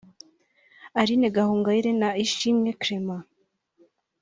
Aline Gahongayire na Ishimwe Clement